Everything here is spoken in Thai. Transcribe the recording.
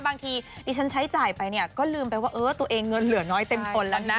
บางทีดิฉันใช้จ่ายไปเนี่ยก็ลืมไปว่าเออตัวเองเงินเหลือน้อยเต็มคนแล้วนะ